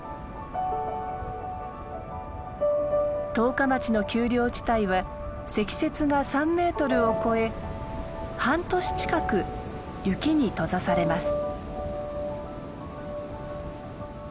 十日町の丘陵地帯は積雪が３メートルを超え半年近く雪に閉ざされます。